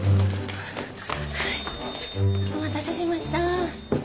☎お待たせしました。